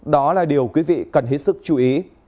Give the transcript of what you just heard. đó là điều quý vị cần hết sức chú ý